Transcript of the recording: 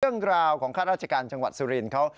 เรื่องราวของข้าราชการจังหวัดสุรินทร์เขา